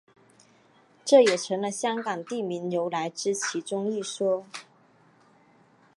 这也成了香港地名由来之其中一说。